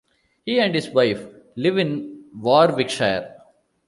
He and his wife live in Warwickshire.